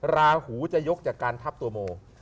ราหูจะยกจากการทับตัวโม